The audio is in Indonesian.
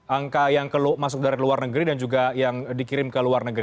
angka yang masuk dari luar negeri dan juga yang dikirim ke luar negeri